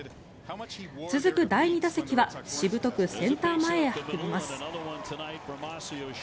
続く第２打席はしぶとくセンター前へ運びます。